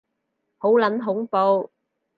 好撚恐怖